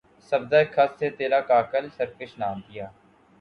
سبزۂ خط سے ترا کاکل سرکش نہ دبا